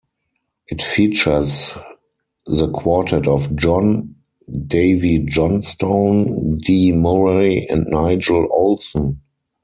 It features the quartet of John, Davey Johnstone, Dee Murray and Nigel Olsson.